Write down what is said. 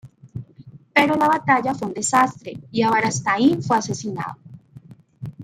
Pero la batalla fue un desastre, y Aberastain fue asesinado.